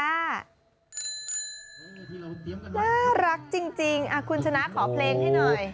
น่ารักจริงคุณชนะขอเพลงให้หน่อย